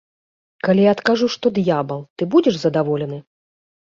Калі я адкажу, што д'ябал, ты будзеш задаволены?